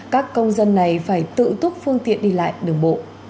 các công dân này phải tự túc phương tiện đi lại đường bộ